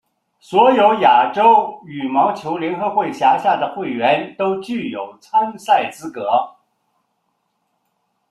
所有亚洲羽毛球联合会辖下的会员都具有参赛资格。